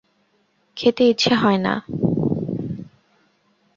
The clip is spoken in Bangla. খেতে ইচ্ছে হয় না।